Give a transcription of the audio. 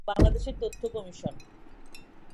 বাংলাদেশের তথ্য কমিশন